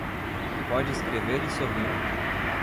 Pode escrever e sorrir